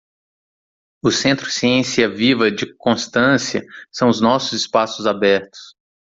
o Centro Ciência Viva de Constância são os nossos espaços abertos.